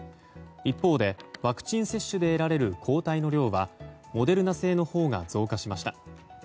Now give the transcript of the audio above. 一方でワクチン接種で得られる抗体の量はモデルナ製のほうが増加しました。